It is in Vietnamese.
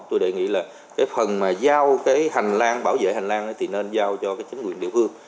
tôi đề nghị là cái phần mà giao cái hành lang bảo vệ hành lang thì nên giao cho cái chính quyền địa phương